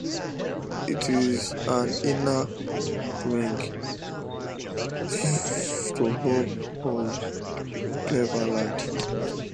It is an inner ring suburb of Cleveland.